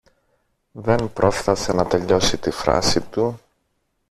Δεν πρόφθασε να τελειώσει τη φράση του.